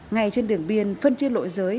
ngay trên đường biên phân chia lội giới